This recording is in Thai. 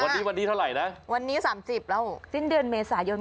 วันนี้วันที่เท่าไหร่นะวันนี้๓๐แล้วสิ้นเดือนเมษายน